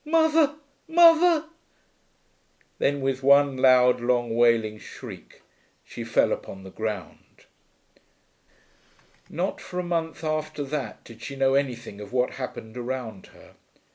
Mother mother!" Then, with one loud long wailing shriek, she fell upon the ground. Not for a month after that did she know anything of what happened around her.